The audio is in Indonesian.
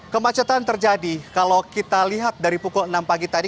kemacetan terjadi kalau kita lihat dari pukul enam pagi tadi